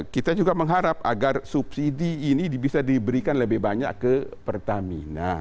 kita juga mengharap agar subsidi ini bisa diberikan lebih banyak ke pertamina